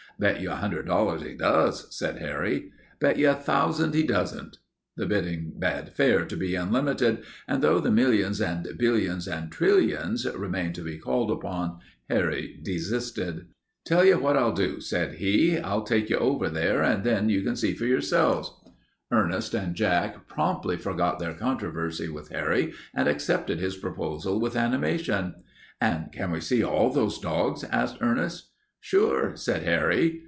"Bet you a hundred dollars he does," said Harry. "Bet you a thousand he doesn't." The bidding bade fair to be unlimited, and though the millions and billions and trillions remained to be called upon, Harry desisted. "Tell you what I'll do," said he. "I'll take you over there and then you can see for yourselves." Ernest and Jack promptly forgot their controversy with Harry and accepted his proposal with animation. "And can we see all those dogs?" asked Ernest. "Sure," said Harry.